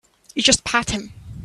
You just pat him.